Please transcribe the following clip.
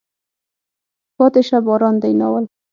پاتې شه باران دی. ناول